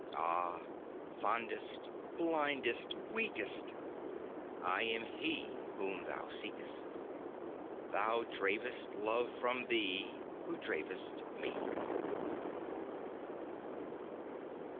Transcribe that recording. "Ah, fondest, blindest, weakest, I am He Whom thou seekest! Thou dravest love from thee, who dravest Me."